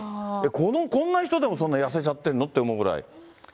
このこんな人でも、そんな痩せちゃってるのって思うぐらい。